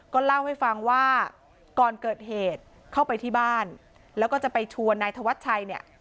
ก็เล่าให้ฟังว่าก่อนเกิดเหตุเข้าไปที่บ้านแล้วก็จะไปชวนนายธวัชชัยเนี่ย